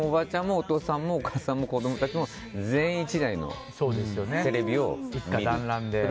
お父さんもお母さんも子供たちも全員、１台のテレビを見る。